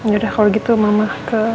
yaudah kalau gitu mama ke